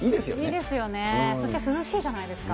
いいですよね、そして涼しいじゃないですか。